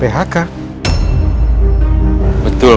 pihaknya kita sudah di rumah